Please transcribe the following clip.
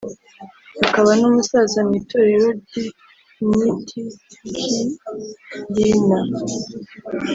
Akaba n umusaza mu itorero ry i myitkyina